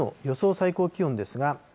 最高気温ですが。